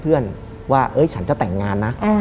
และไม่เคยเข้าไปในห้องมิชชาเลยแม้แต่ครั้งเดียว